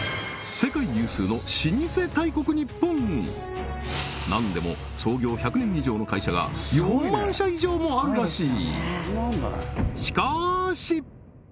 世界有数のなんでも創業１００年以上の会社が４万社以上もあるらしい